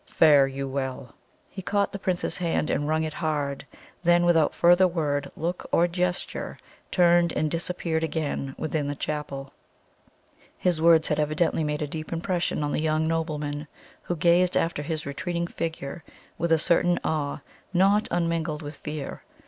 Fare you well!" He caught the Prince's hand, and wrung it hard; then, without further word, look, or gesture, turned and disappeared again within the chapel. His words had evidently made a deep impression on the young nobleman, who gazed after his retreating figure with a certain awe not unmingled with fear.